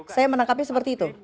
saya menangkapnya seperti itu